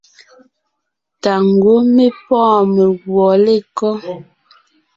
Tà ngwɔ́ mé pɔ́ɔn meguɔ lekɔ́?